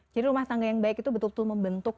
jadi rumah tangga yang baik itu betul betul membentuk